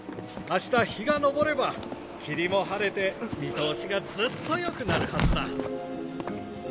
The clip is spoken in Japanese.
明日日が昇れば霧も晴れて見通しがずっとよくなるはずだ。